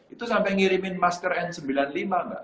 itu sampai ngirimin master n sembilan puluh lima enggak